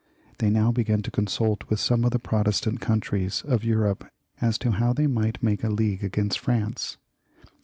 They now began to consult with some of the Protestant countries of Europe as to how they might make a league against France.